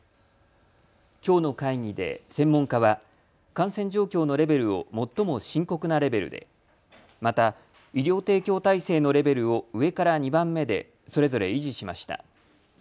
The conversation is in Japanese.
きょうの会議で専門家は感染状況のレベルを最も深刻なレベルで、また医療提供体制のレベルを上から２番目でそれぞれ維持しました。